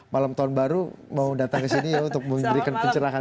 malam tahun baru mau datang kesini untuk memberikan pencerahan